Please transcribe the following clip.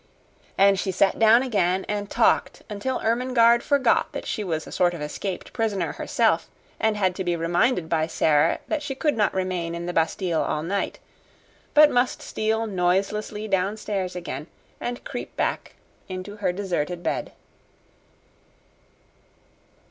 And she sat down again and talked until Ermengarde forgot that she was a sort of escaped prisoner herself, and had to be reminded by Sara that she could not remain in the Bastille all night, but must steal noiselessly downstairs again and creep back into her deserted bed.